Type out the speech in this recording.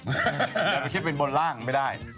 แต่ไปคิดเป็นบนล่างไม่ได้